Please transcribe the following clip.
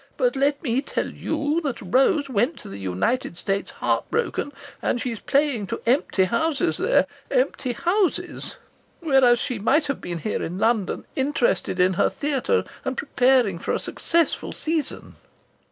But let me tell you that Rose went to the United States heart broken, and she's playing to empty houses there empty houses! Whereas she might have been here in London, interested in her theatre, and preparing for a successful season."